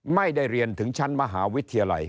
ไม่ได้เรียนถึงชั้นมหาวิทยาลัย